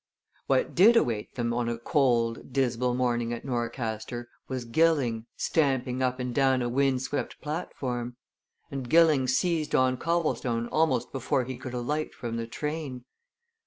What did await them on a cold, dismal morning at Norcaster was Gilling, stamping up and down a windswept platform. And Gilling seized on Copplestone almost before he could alight from the train.